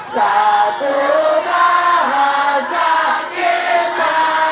satu bahasa kita